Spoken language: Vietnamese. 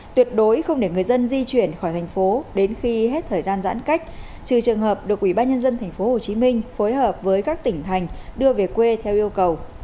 tuyệt đối không để người dân di chuyển khỏi thành phố đến khi hết thời gian giãn cách trừ trường hợp được ủy ban nhân dân tp hcm phối hợp với các tỉnh thành đưa về quê theo yêu cầu